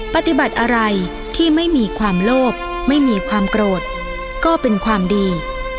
ปฏิบัติอะไรที่ไม่มีความโลภไม่มีความโกรธก็เป็นความดี